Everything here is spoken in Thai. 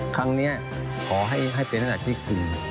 ครั้งนี้ขอให้เป็นธนักที่คือ